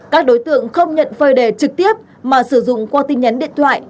các đối tượng không nhận phơi đề trực tiếp mà sử dụng qua tin nhắn điện thoại